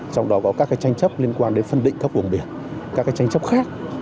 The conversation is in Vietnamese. trong đó có các tranh chấp liên quan đến phân định các vùng biển các tranh chấp khác